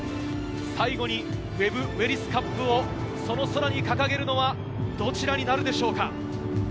最後にウェブ・エリス・カップをその空に掲げるのは、どちらになるでしょうか。